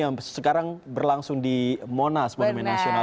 yang sekarang berlangsung di monas monumen nasional